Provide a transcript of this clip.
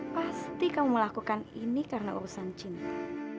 pasti kamu melakukan ini karena urusan cinta